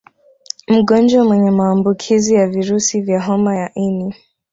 Mgonjwa mwenye maambukizi ya virusi vya homa ya ini